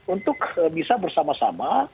untuk bisa bersama sama